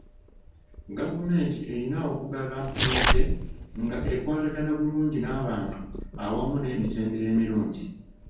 Gavumenti erina okugaba ente nga ekwatagana bulungi n'abantu awamu n'emitendera emirungi .